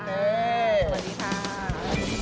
สวัสดีครับ